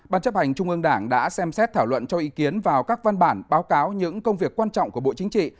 ban chấp hành trung ương đảng đã xem xét thảo luận cho ý kiến vào các văn bản báo cáo những công việc quan trọng của bộ chính trị